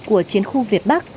của chiến khu việt bắc